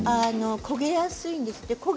焦げやすいんですね。